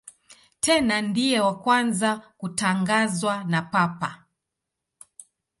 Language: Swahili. Tena ndiye wa kwanza kutangazwa na Papa.